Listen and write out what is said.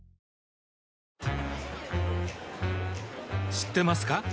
知ってますか？